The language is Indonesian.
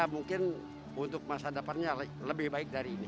mungkin untuk masa depannya lebih baik dari ini